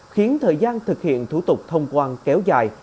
khiến thời gian thực hiện thủ tục thông quan kéo dài